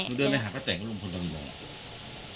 หนูเดินไปหาประแต่งกับลุงพลบอก